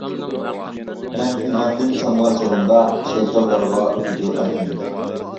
مەن ئىماندىن چانغان چېغىمدا، شەيتانلارغا ئۆتىدۇ ئەركىم.